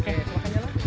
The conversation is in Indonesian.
oke silahkan jalan